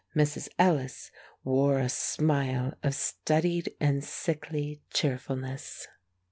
Mrs. Ellis wore a smile of studied and sickly cheerfulness.